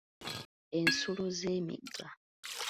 "Ensulo z'emigga,"